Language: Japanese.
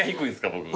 僕。